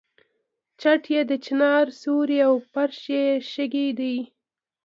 چت یې د چنار سیوری او فرش یې شګې دي.